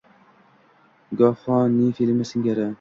goho noe filьmi singari